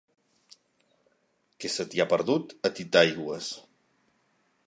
Què se t'hi ha perdut, a Titaigües?